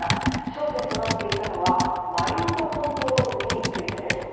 焦点となっていたのはマインドコントロールについてです。